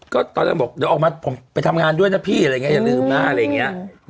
ก็ตอนนั้นบอกเดี๋ยวออกมาไปทำงานด้วยนะพี่อย่าลืมหน้าอะไรอย่างนี้